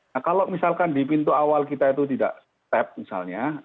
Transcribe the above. nah kalau misalkan di pintu awal kita itu tidak step misalnya